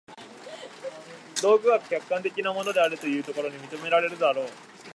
道具は客観的なものであるというところに認められるであろう。